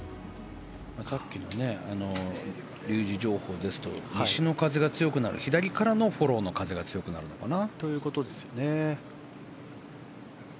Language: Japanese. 竜二情報ですと西の風が強くなる左からのフォローの風が強くなるのかな。